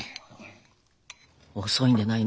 遅いんでないの？